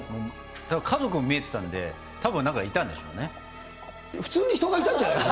家族も見えてたんで、たぶんなん普通に人がいたんじゃないの？